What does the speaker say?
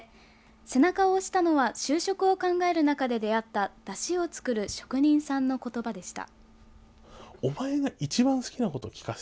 背中を押したのは就職を考える中で出会った山車を造る職人さんの言葉でした。